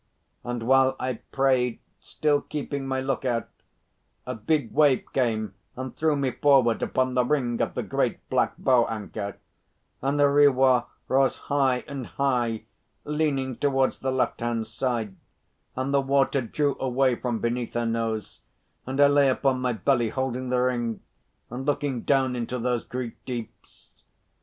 And while I prayed, still keeping my lookout, a big wave came and threw me forward upon the ring of the great black bow anchor, and the Rewah rose high and high, leaning towards the left hand side, and the water drew away from beneath her nose, and I lay upon my belly, holding the ring, and looking down into those great deeps.